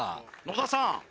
野田さん